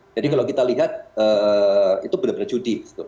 jadi kalau kita lihat itu benar benar judi